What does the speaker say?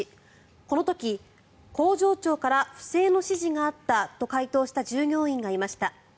この時、工場長から不正の指示があったと回答した従業員がいました。